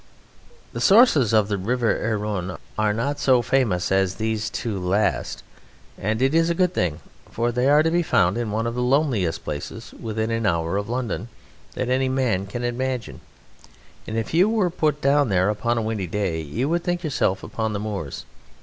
The sources of the River Arun are not so famous as these two last, and it is a good thing, for they are to be found in one of the loneliest places within an hour of London that any man can imagine, and if you were put down there upon a windy day you would think yourself upon the moors.